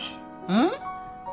うん？